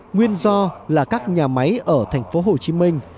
nguyên do là các nhà máy ở thành phố hồ chí minh